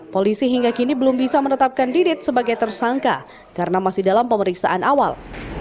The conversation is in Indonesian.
polisi hingga kini belum bisa menetapkan didit sebagai tersangka karena masih dalam pemeriksaan awal